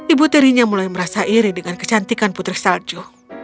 ibu tirinya mulai merasa iri dengan kecantikan putri salju